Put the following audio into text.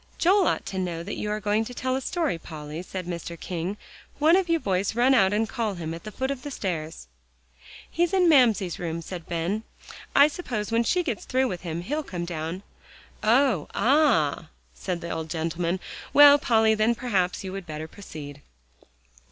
"Joel ought to know that you are going to tell a story, Polly," said Mr. King. "One of you boys run out and call him at the foot of the stairs." "He's in Mamsie's room," said Ben. "I suppose when she gets through with him, he'll come down." "Oh! ah!" said the old gentleman. "Well, Polly, then perhaps you would better proceed."